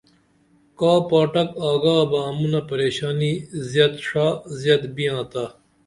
کاکا پاٹک آگا بہ امونہ پریشانی زیاد ڜا زیاد بیاں تا